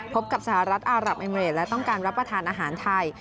พบกับสหรัฐอารับเอเมริดและต้องการรับประทานอาหารไทย